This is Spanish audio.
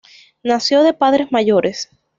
Nació de padres mayores.